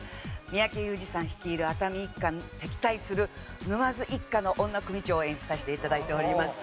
三宅裕司さん率いる熱海一家と敵対する沼津一家の女組長を演じさせて頂いております。